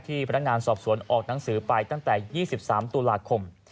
พนักงานสอบสวนออกหนังสือไปตั้งแต่๒๓ตุลาคม